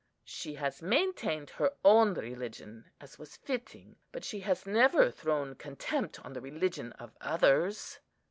She has maintained her own religion, as was fitting; but she has never thrown contempt on the religion of others.